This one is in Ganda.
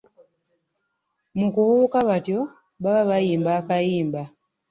Mu kubuuka batyo baba bayimba akayimba.